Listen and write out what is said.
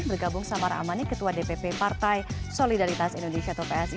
bergabung samara amani ketua dpp partai solidaritas indonesia atau psi